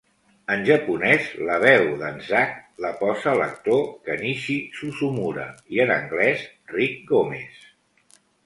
En japonès la veu d'en Zack la posa l'actor Kenichi Suzumura i en anglès, Rick Gomez.